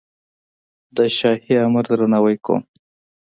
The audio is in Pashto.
د شاهي امر درناوی کوم.